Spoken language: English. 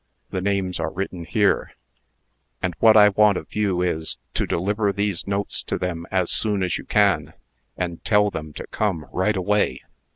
The names are written here; and what I want of you is, to deliver these notes to them as soon as you can, and tell them to come right away.